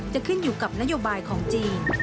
จะขึ้นอยู่กับนโยบายของจีน